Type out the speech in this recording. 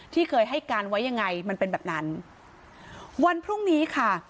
ที่เคยให้การไว้ยังไงมันเป็นแบบนั้นวันพรุ่งนี้ค่ะ